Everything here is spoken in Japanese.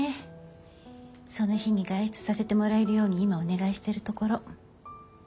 その日に外出させてもらえるように今お願いしてるところ。